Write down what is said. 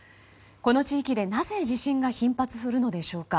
この地域で、なぜ地震が頻発するのでしょうか。